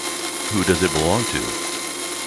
Who does it belong to?